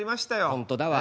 本当だわ。